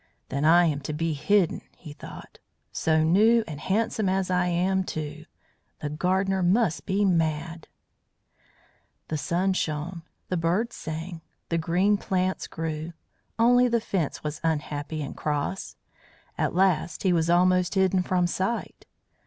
"Then I am to be hidden," he thought. "So new and handsome as I am, too! The gardener must be mad." The sun shone, the birds sang, the green plants grew; only the Fence was unhappy and cross. At last he was almost hidden from sight.